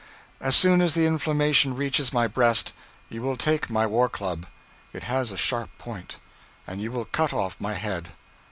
As soon as the inflammation reaches my breast, you will take my war club. It has a sharp point, and you will cut off my head.